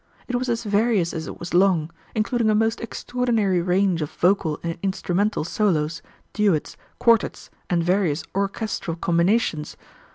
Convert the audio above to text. It was as various as it was long, including a most extraordinary range of vocal and instrumental solos, duets, quartettes, and various orchestral combinations.